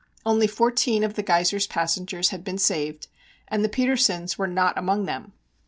Only fourteen of the Geiser's passengers had been saved and the Petersens were not among them.